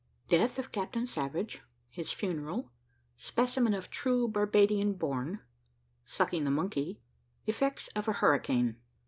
DEATH OF CAPTAIN SAVAGE HIS FUNERAL SPECIMEN OF TRUE BARBADIAN BORN "SUCKING THE MONKEY" EFFECTS OF A HURRICANE.